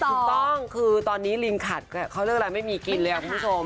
ถูกต้องคือตอนนี้ลิงขัดเขาเรียกอะไรไม่มีกินเลยคุณผู้ชม